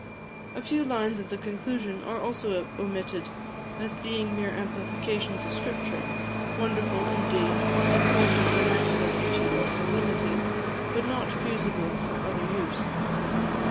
A few lines of the conclusion are also omitted, as being mere amplifications of Scripture wonderful, indeed, in point of vernacular beauty or sublimity, but not fusible for other use.